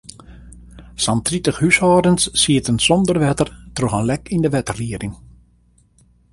Sa'n tritich húshâldens sieten sonder wetter troch in lek yn de wetterlieding.